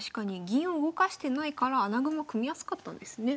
銀を動かしてないから穴熊組みやすかったですね。